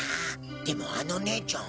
でもあの姉ちゃん